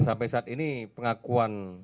sampai saat ini pengakuan